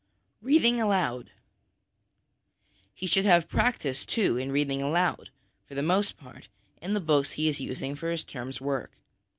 Reading Aloud. He should have practice, too, in reading aloud, for the most part, in the books he is using for his term's work.